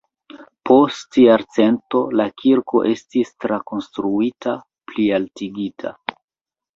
Post jarcento la kirko estis trakonstruita, plialtigita.